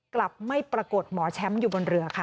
กลับไม่ปรากฏหมอแชมป์อยู่บนเรือค่ะ